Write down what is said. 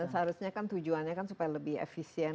dan seharusnya kan tujuannya kan supaya lebih efisien